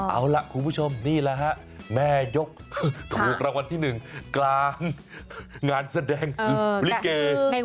เอาล่ะคุณผู้ชมนี่แหละฮะแม่ยกถูกรางวัลที่๑กลางงานแสดงลิเก